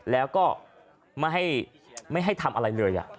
แล้วก็ไม่ให้ทำอะไรเลย